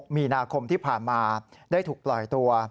มีนาคมที่ผ่านมาได้ถูกปล่อยตัว